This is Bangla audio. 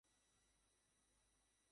অনেক ভাল বোধ করছি এবং সুস্থ আছি।